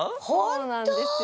そうなんですよ。